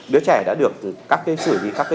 đứa trẻ đã được các sử dụng